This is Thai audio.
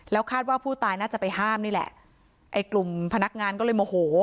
คาดว่าผู้ตายน่าจะไปห้ามนี่แหละไอ้กลุ่มพนักงานก็เลยโมโห